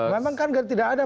memang kan tidak ada